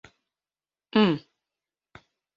М.